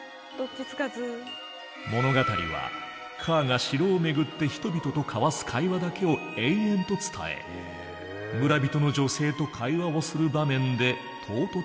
物語はＫが城を巡って人々と交わす会話だけを延々と伝え村人の女性と会話をする場面で唐突に途切れる。